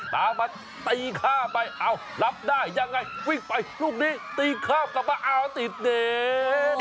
ตามมาตีข้ามไปเอารับได้ยังไงวิ่งไปลูกนี้ตีข้ามกลับมาเอาติดเดท